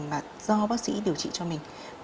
mà do bác sĩ điều trị cho mình